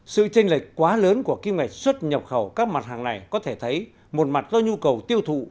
sự tranh lệch quá lớn của kim ngạch xuất nhập khẩu các mặt hàng này có thể thấy một mặt do nhu cầu tiêu thụ